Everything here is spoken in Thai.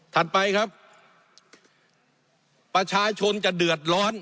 ไปครับประชาชนจะเดือดร้อน